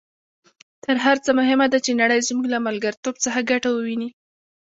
تر هر څه مهمه ده چې نړۍ زموږ له ملګرتوب څخه ګټه وویني.